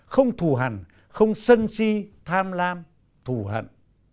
không thù hẳn không sân si tham lam thù hận